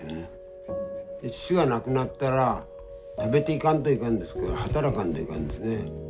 父が亡くなったら食べていかんといかんですから働かんといかんですね。